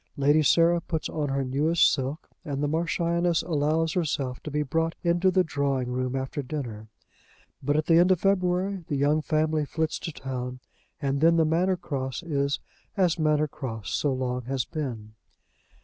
Lady Sarah puts on her newest silk, and the Marchioness allows herself to be brought into the drawing room after dinner. But at the end of February the young family flits to town, and then the Manor Cross is as Manor Cross so long has been.